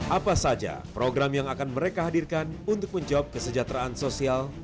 apa saja program yang akan mereka hadirkan untuk menjawab kesejahteraan sosial